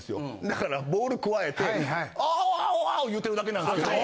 だからボールくわえて「アウアウ」言うてるだけなんですけど。